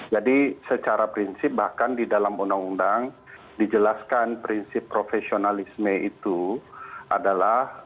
jadi secara prinsip bahkan di dalam undang undang dijelaskan prinsip profesionalisme itu adalah